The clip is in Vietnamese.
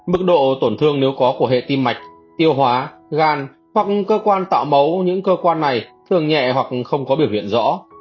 mức độ tổn thương nếu có của hệ tim mạch tiêu hóa gan hoặc cơ quan tạo mẫu những cơ quan này thường nhẹ hoặc không có biểu hiện rõ